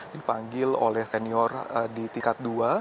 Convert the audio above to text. dipanggil oleh senior di tingkat dua